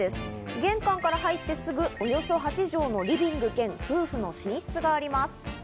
玄関から入ってすぐ、およそ８畳のリビング兼夫婦の寝室があります。